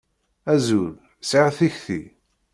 Azul, sεiɣ tikti.